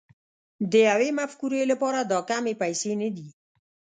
د يوې مفکورې لپاره دا کمې پيسې نه دي